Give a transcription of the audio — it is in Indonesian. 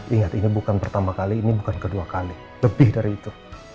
ingat ini bukan pertama kali ini bukan kedua kali lebih dari itu